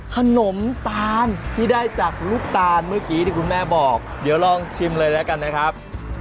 ขนมตาลที่ได้จากลูกตาลเมื่อกี้ที่คุณแม่บอกเดี๋ยวลองชิมเลยแล้วกันนะครับ